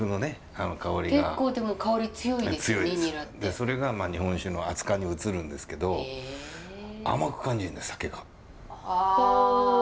それがまあ日本酒の熱かんに移るんですけど甘く感じるんだよ